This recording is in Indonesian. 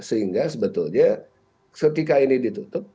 sehingga sebetulnya ketika ini ditutup